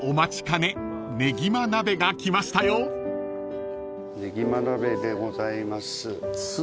ねぎま鍋でございます。